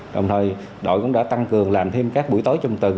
đồng thời đội cũng đã tăng cường làm thêm các buổi tối trong từ